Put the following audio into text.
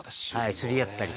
釣りやったり。